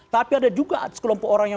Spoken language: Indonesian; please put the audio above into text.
tapi ada juga sekelompok orang yang